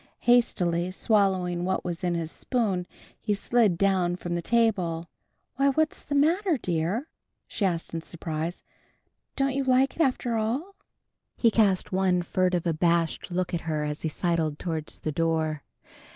Hastily swallowing what was in his spoon, he slid down from the table. "Why, what's the matter, dear?" she asked in surprise. "Don't you like it after all?" He cast one furtive, abashed look at her as he sidled towards the door.